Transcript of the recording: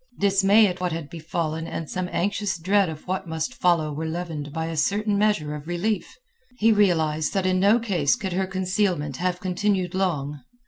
Dismay at what had befallen and some anxious dread of what must follow were leavened by a certain measure of relief. He realized that in no case could her concealment have continued long.